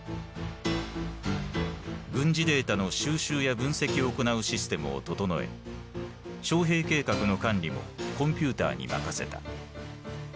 軍事データの収集や分析を行うシステムを整え徴兵計画の管理もコンピューターに任せた。